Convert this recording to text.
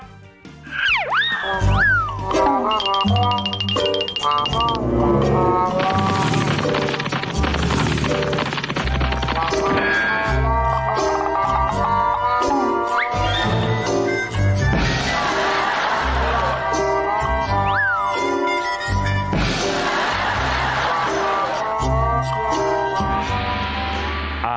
กัดขาวของเสียหาย